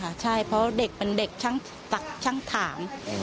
ใช่ค่ะใช่เพราะเด็กเป็นเด็กช่างถาม